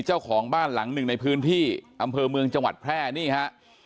เจ้าของบ้านหลังหนึ่งในพื้นที่อำเภอเมืองจังหวัดแพร่นี่ฮะ